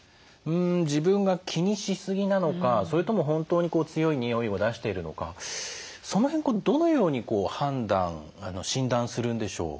自分が気にし過ぎなのかそれとも本当に強いにおいを出しているのかその辺どのように判断診断するんでしょう？